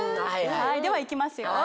ではいきますよ！